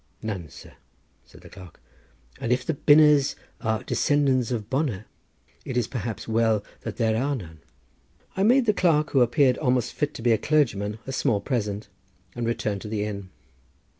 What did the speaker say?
"None, sir," said the clerk; "and if the Bynners are the descendants of Bonner, it is, perhaps, well that there are none." I made the clerk, who appeared almost fit to be a clergyman, a small present, and returned to the inn.